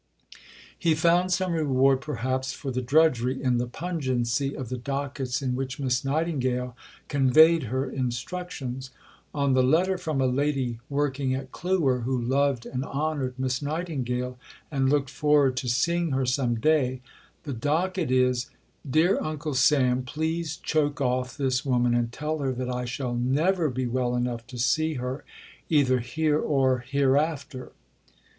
He found some reward, perhaps, for the drudgery in the pungency of the dockets in which Miss Nightingale conveyed her instructions. On the letter from a lady working at Clewer, who "loved and honoured" Miss Nightingale, and looked forward to seeing her some day, the docket is: "Dear Uncle Sam, Please choke off this woman and tell her that I shall never be well enough to see her, either here or hereafter."